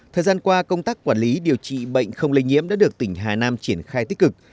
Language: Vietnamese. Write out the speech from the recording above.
thời gian qua công tác quản lý điều trị bệnh không lây nhiễm đã được tỉnh hà nam triển khai tích cực